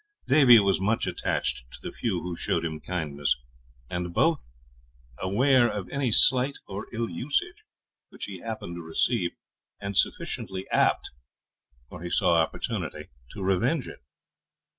Davie was much attached to the few who showed him kindness; and both aware of any slight or ill usage which he happened to receive, and sufficiently apt, where he saw opportunity, to revenge it.